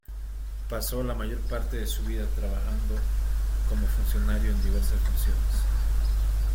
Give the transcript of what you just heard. Pasó la mayor parte de su vida trabajando como funcionario en diversas funciones.